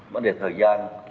vấn đề thời gian